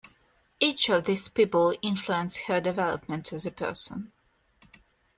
Each of these people influenced her development as a person.